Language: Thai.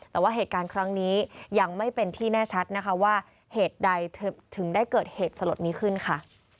แต่ว่าเหตุการณ์ครั้งนี้ยังไม่เป็นที่แน่ชัดนะคะว่าเหตุใดถึงได้เกิดเหตุสลดนี้ขึ้นค่ะ